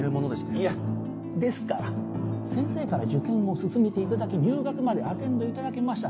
いやですから先生から受験を勧めていただき入学までアテンドいただけました